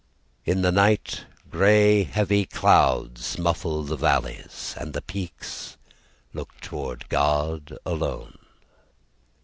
In the night Grey heavy clouds muffles the valleys, And the peaks looked toward God alone.